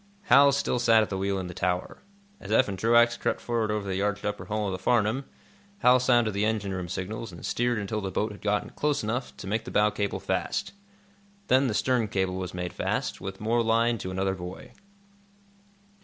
Hal still sat at the wheel in the tower. As Eph and Truax crept forward over the arched upper hull of the "Farnum," Hal sounded the engine room signals and steered until the boat had gotten close enough to make the bow cable fast. Then the stern cable was made fast, with more line, to another buoy.